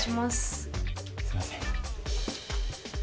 すいません。